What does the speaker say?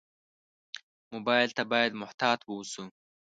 موبایل ته باید محتاط ووسو.